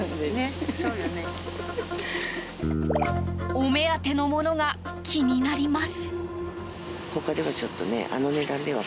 お目当てのものが気になります。